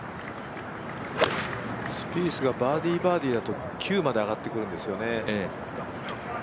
スピースがバーディー、バーディーだと９まで上がってくるんですよね。